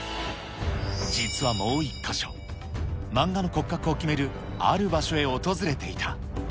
実はもう１か所、漫画の骨格を決めるある場所へ訪れていた。